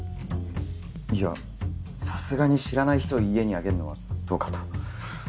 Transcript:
いやさすがに知らない人家に上げるのはどうかと。